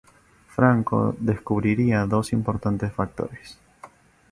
Franco descubriría dos importantes factores.